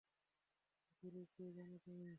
গুরু কে জানো তুমি?